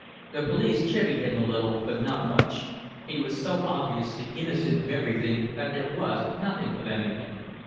The police chivvied him a little, but not much; he was so obviously innocent of everything that there was nothing for them in him.